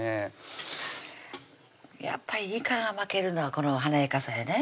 やっぱりいかが負けるのはこの華やかさやね